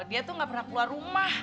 dia tuh gak pernah keluar rumah